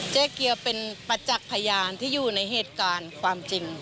เจ๊เกียวเป็นประจักษ์พยานที่อยู่ในเหตุการณ์ความจริง